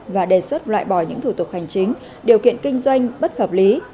và đề xuất loại bỏ những thủ tục hành chính điều kiện kinh doanh bất hợp lý